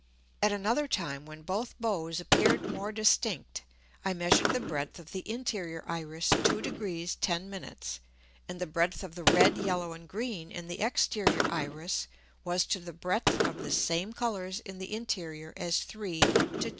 At another time when both Bows appeared more distinct, I measured the breadth of the interior Iris 2 Gr. 10´, and the breadth of the red, yellow and green in the exterior Iris, was to the breadth of the same Colours in the interior as 3 to 2.